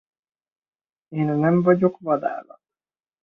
Én nem vagyok vadállat!